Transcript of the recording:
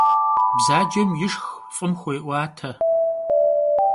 Bzacem yişşx f'ım xuê'uate.